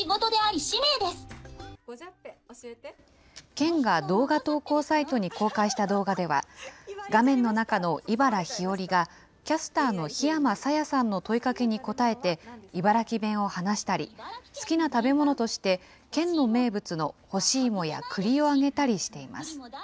県が動画投稿サイトに公開した動画では、画面の中の茨ひよりが、キャスターの檜山沙耶さんの問いかけに答えて茨城弁を話したり、好きな食べ物として県の名物の干し芋やくりを挙げたりしています。